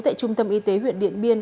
tại trung tâm y tế huyện điện biên